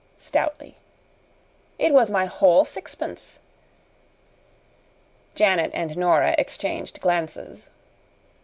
stoutly. "It was my whole sixpence." Janet and Nora exchanged glances.